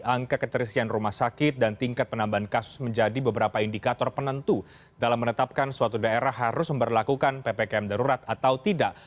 angka keterisian rumah sakit dan tingkat penambahan kasus menjadi beberapa indikator penentu dalam menetapkan suatu daerah harus memperlakukan ppkm darurat atau tidak